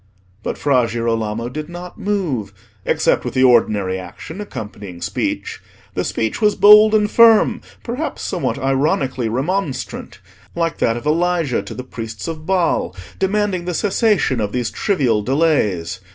But Fra Girolamo did not move, except with the ordinary action accompanying speech. The speech was bold and firm, perhaps somewhat ironically remonstrant, like that of Elijah to the priests of Baal, demanding the cessation of these trivial delays.